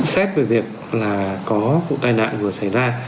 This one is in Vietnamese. xét về việc là có vụ tai nạn vừa xảy ra